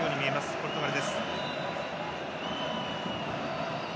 ポルトガルです。